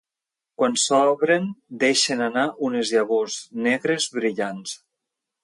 Quan s'obren deixen anar unes llavors negres brillants.